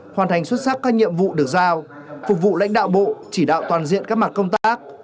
hoàn thành xuất sắc các nhiệm vụ được giao phục vụ lãnh đạo bộ chỉ đạo toàn diện các mặt công tác